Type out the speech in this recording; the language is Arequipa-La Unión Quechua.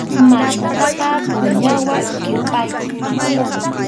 Maqmataqa puruñawan kirpaykuy.